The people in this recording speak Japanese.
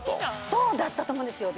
そうだったと思うんですよ。